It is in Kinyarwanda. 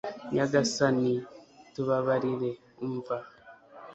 nyagasani tubabarire, umva